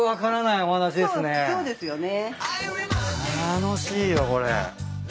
楽しいよこれ。